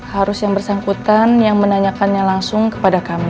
harus yang bersangkutan yang menanyakannya langsung kepada kami